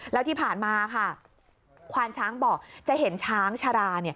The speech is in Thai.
แล้วที่ผ่านมาค่ะควานช้างบอกจะเห็นช้างชารา